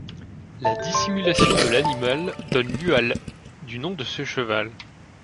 La dissimulation de l'animal donne lieu à l', du nom de ce cheval.